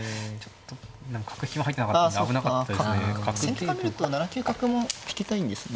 先手から見ると７九角も引きたいんですね。